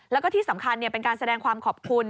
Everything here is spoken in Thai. แล้วก็ที่สำคัญเป็นการแสดงความขอบคุณ